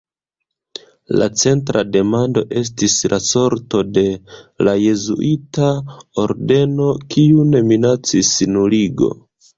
La centra demando estis la sorto de la jezuita ordeno, kiun minacis nuligo.